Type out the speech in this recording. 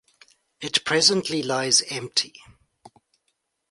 It presently lies empty.